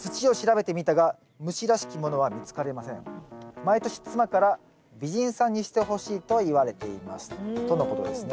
「毎年妻から美人さんにしてほしいと言われています」とのことですね。